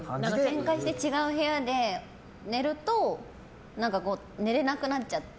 けんかして違う部屋で寝ると寝れなくなっちゃって。